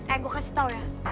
eh gue kasih tau ya